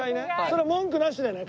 それ文句なしでね。